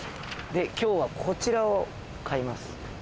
今日はこちらを買います。